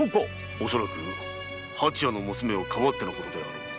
おそらく蜂屋の娘をかばってのことであろう。